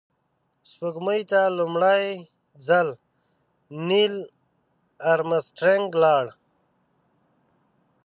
سپوږمۍ ته لومړی ځل نیل آرمسټرانګ لاړ